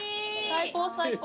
最高最高。